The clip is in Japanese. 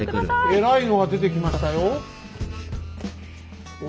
えらいのが出てきましたよ？